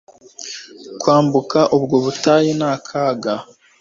Kwambuka ubwo butayu ni akaga